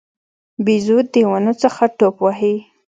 بیزو د ونو څخه ټوپ وهي.